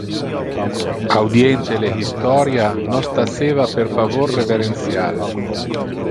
Audiente le historia, nos taceva per pavor reverential.